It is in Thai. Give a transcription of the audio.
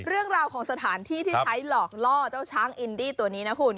เรื่องราวของสถานที่ที่ใช้หลอกล่อเจ้าช้างอินดี้ตัวนี้นะคุณ